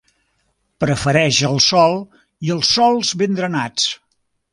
Prefereix el ple sol i els sòls ben drenats.